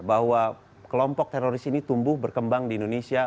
bahwa kelompok teroris ini tumbuh berkembang di indonesia